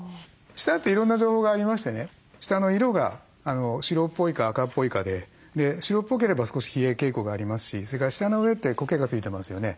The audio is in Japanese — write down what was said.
舌っていろんな情報がありましてね舌の色が白っぽいか赤っぽいかで白っぽければ少し冷え傾向がありますしそれから舌の上ってコケがついてますよね。